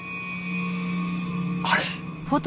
あれ。